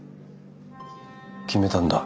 決めたんだ。